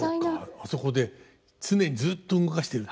あそこで常にずっと動かしてると。